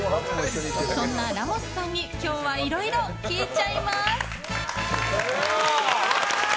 そんなラモスさんに今日はいろいろ聞いちゃいます！